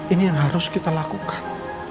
ini yang harus kita lakukan